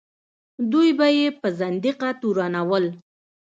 دوی به یې په زندقه تورنول.